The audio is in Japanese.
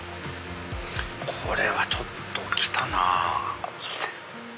これはちょっときたなぁ。